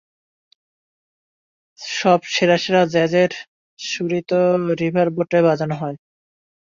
সব সেরা সেরা জ্যাজের সুরই তো রিভারবোটে বাজানো হয়।